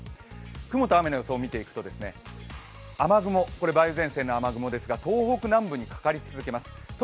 雲と雨の予想を見ていくと、雨雲、これ梅雨前線の雨雲ですが、東北南部にかかり続けます。